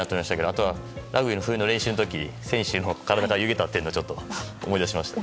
あとは、ラグビーの冬の練習の時選手の体が湯気立っているのを思い出しました。